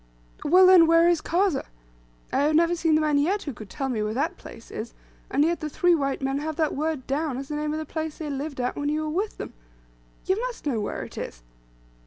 "Well, then, where is Kazeh? I have never seen the man yet who could tell me where that place is, and yet the three white men have that word down, as the name of the place they lived at when you were with them. You must know where it is."